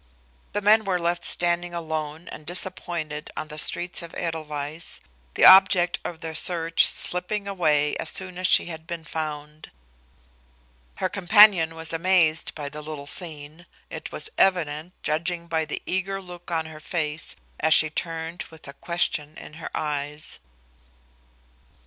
The men were left standing alone and disappointed on the streets of Edelweiss, the object of their search slipping away as soon as she had been found. Her companion was amazed by the little scene, it was evident, judging by the eager look on her face as she turned with a question in her eyes.